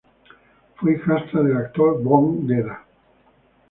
Fue hijastra del actor Björn Gedda.